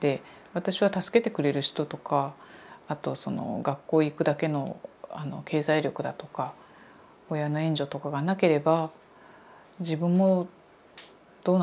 私は助けてくれる人とかあと学校へ行くだけの経済力だとか親の援助とかがなければ自分もどうなってたか分からないっていうか。